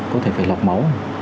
có thể phải lọc máu này